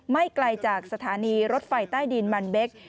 ไม่ไกลจากสถานีรถไฟใต้ดินมันเบ็ก